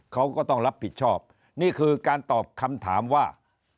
เขาก็ต้องรับผิดชอบนี่คือการตอบคำถามว่า